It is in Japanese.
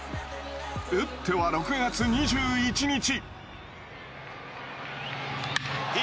打っては６月２１日。